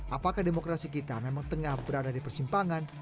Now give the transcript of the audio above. apakah demokrasi kita memang tengah berada di persimpangan